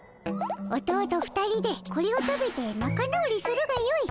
おとおと２人でこれを食べてなか直りするがよい。